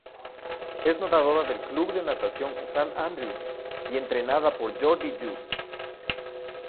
Es nadadora del Club Natación Sant Andreu y entrenada por Jordi Jou.